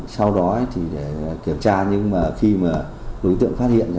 sau đó để kiểm tra nhưng khi đối tượng phát hiện